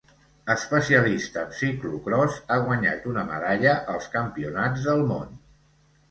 Especialista en ciclocròs ha guanyat una medalla als Campionats del món.